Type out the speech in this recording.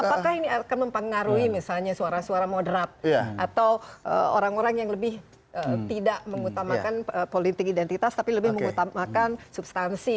apakah ini akan mempengaruhi misalnya suara suara moderat atau orang orang yang lebih tidak mengutamakan politik identitas tapi lebih mengutamakan substansi